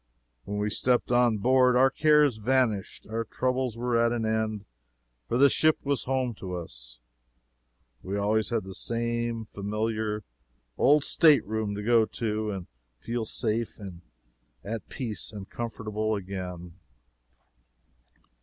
When we stepped on board, our cares vanished, our troubles were at an end for the ship was home to us. We always had the same familiar old state room to go to, and feel safe and at peace and comfortable again.